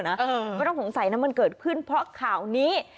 เออแหละไม่ต้องสงสัยน้ำมันเกิดขึ้นเพราะข่าวนี้